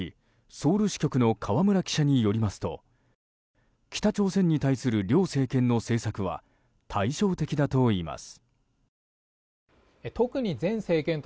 ソウル支局の河村記者によりますと北朝鮮に対する両政権の政策は対照的だといいます。